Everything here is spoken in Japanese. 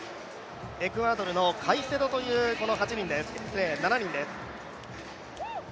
エクアドルのカイセドという７人です。